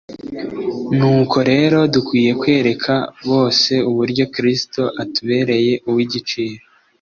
nuko rero dukwiriye kwereka bose uburyo Kristo atubereye uw'igiciro.